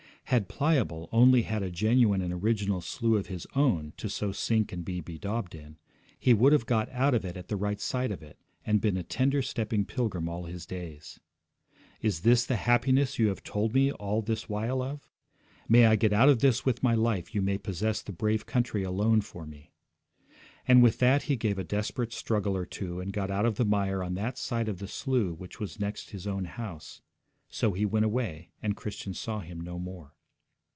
Had Pliable only had a genuine and original slough of his own to so sink and be bedaubed in, he would have got out of it at the right side of it, and been a tender stepping pilgrim all his days. 'Is this the happiness you have told me all this while of? May I get out of this with my life, you may possess the brave country alone for me.' And with that he gave a desperate struggle or two, and got out of the mire on that side of the slough which was next his own house; so he went away, and Christian saw him no more.